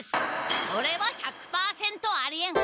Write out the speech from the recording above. それは１００％ありえん！